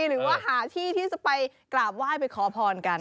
หรือว่าหาที่ที่จะไปกราบไหว้ไปขอพรกัน